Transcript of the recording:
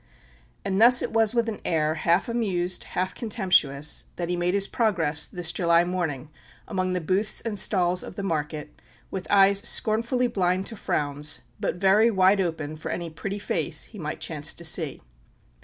And thus it was with an air, half amused, half contemptuous, that he made his progress this July morning among the booths and stalls of the market, with eyes scornfully blind to frowns, but very wide open for any pretty face he might chance to see.